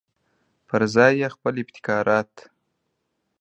پرځای یې خپل ابتکارات.